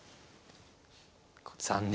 残念。